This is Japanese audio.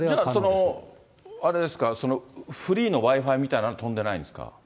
つまりあれですか、フリーのＷｉ−Ｆｉみたいのものは飛んでないんですか。